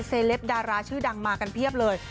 เลปดาราชื่อดังมากันเพียบเลย